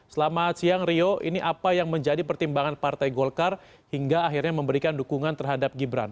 selamat siang rio ini apa yang menjadi pertimbangan partai golkar hingga akhirnya memberikan dukungan terhadap gibran